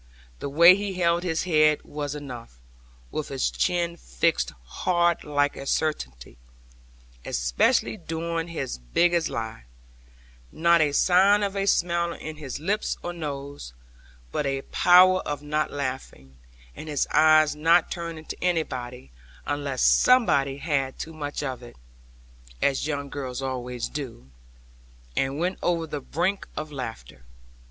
The way he held his head was enough, with his chin fixed hard like a certainty (especially during his biggest lie), not a sign of a smile in his lips or nose, but a power of not laughing; and his eyes not turning to anybody, unless somebody had too much of it (as young girls always do) and went over the brink of laughter.